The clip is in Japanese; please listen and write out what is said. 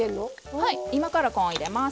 はい今からコーンを入れます。